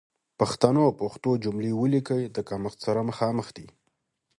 پښتو جملې وليکئ، د کمښت سره مخامخ دي.